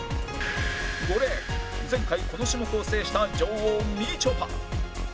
５レーン前回この種目を制した女王みちょぱ